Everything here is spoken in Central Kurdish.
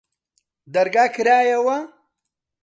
دەرگا کراوەیە؟